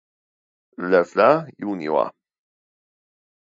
Loeffler jun.